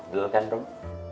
betul kan rum